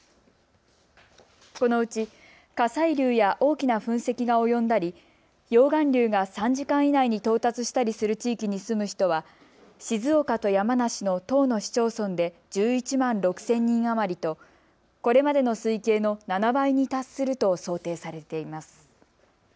このうち火砕流や大きな噴石が及んだり溶岩流が３時間以内に到達したりする地域に住む人は静岡と山梨の１０の市町村で１１万６０００人余りとこれまでの推計の７倍に達すると想定されています。